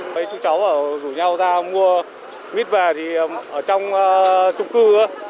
mấy chú cháu ở rủ nhau ra mua mít về thì ở trong trung cư